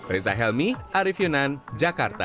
reza helmi arief yunan jakarta